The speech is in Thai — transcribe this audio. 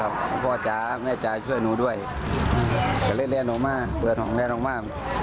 รถออกมันก็บอกว่ามันหนัก